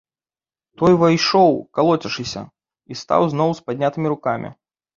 Той увайшоў, калоцячыся, і стаў зноў з паднятымі рукамі.